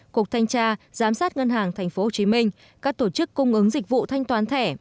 cục thanh tra giám sát ngân hàng tp hồ chí minh các tổ chức cung ứng dịch vụ thanh toán thẻ